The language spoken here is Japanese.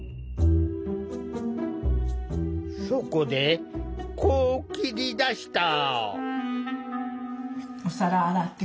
そこでこう切り出した。